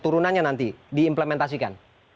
turunannya nanti diimplementasikan